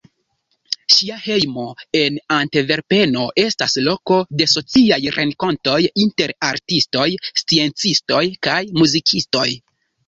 Ŝia hejmo en Antverpeno estas loko de sociaj renkontoj inter artistoj, sciencistoj kaj muzikistoj.